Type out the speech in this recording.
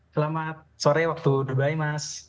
selamat sore waktu dubai mas